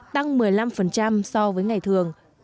tăng một mươi năm so với ngày thường